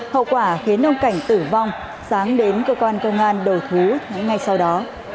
hậu quả khiến ông cảnh tử vong sáng đến cơ quan công an đầu thú ngay sau đó